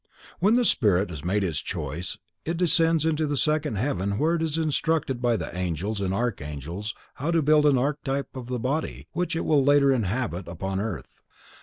When the spirit has made its choice, it descends into the second heaven where it is instructed by the Angels and Archangels how to build an archetype of the body which it will later inhabit upon earth.